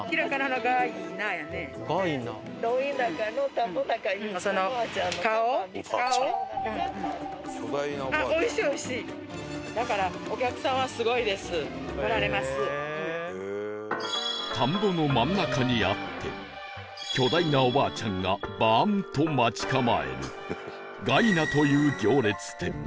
田んぼの真ん中にあって巨大なおばあちゃんがバーンと待ち構えるがいなという行列店